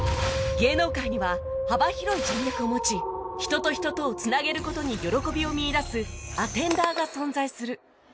芸能界には幅広い人脈を持ち人と人とをつなげる事に喜びを見いだすアテンダーが存在する